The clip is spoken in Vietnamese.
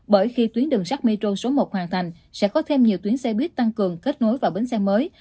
bởi khi tuyến đường sắt metro số một hoàn thành sẽ có thêm nhiều tuyến xe buýt tăng cường kết nối vào bến xe mới